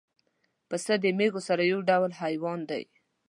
پسه د مېږو سره یو ډول حیوان دی.